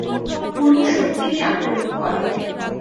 পূর্ণ শক্তি নিয়ে আক্রমণ করো!